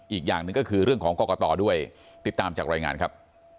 อีกอย่างหนึ่งก็คือเรื่องของกรกตด้วยติดตามจากรายงานครับ